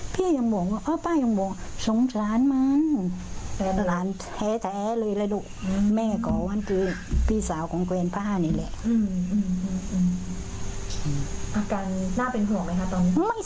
พี่อย่างบอกว่าอ้าวป้าย่างบอกว่าช่องร้านมันนิ